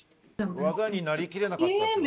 技になりきれなかったってこと？